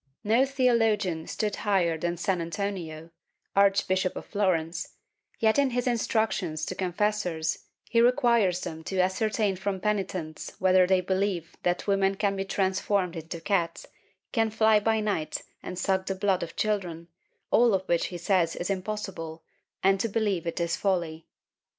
No theologian stood higher than St. Antonino, Arch bishop of Florence, yet in his instructions to confessors, he requires them to ascertain from penitents whether they believe that women can be transformed into cats, can fly by night and suck the blood of children, all of which he says is impossible, and to believe it is folly.